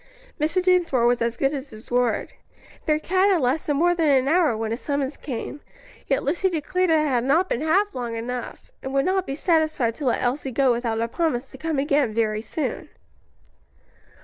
Mr. Dinsmore was as good as his word; their chat had lasted more than an hour when his summons came, yet Lucy declared it had not been half long enough, and would not be satisfied to let Elsie go without a promise to come again very soon.